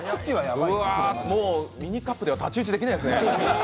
ミニカップでは太刀打ちできないですね。